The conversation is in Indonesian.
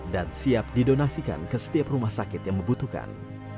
dan siap didonasikan ke setiap rumah sakit yang membutuhkan